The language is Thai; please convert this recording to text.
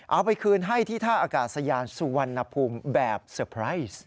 เอาไปคืนให้ที่ท่าอากาศยานสุวรรณภูมิแบบเตอร์ไพรส์